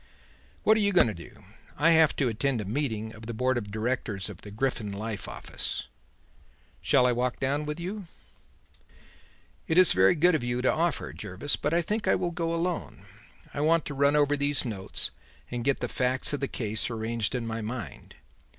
What are you going to do? I have to attend a meeting of the board of directors of the Griffin Life Office." "Shall I walk down with you?" "It is very good of you to offer, Jervis, but I think I will go alone. I want to run over these notes and get the facts of the case arranged in my mind.